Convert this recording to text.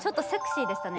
セクシーだったね。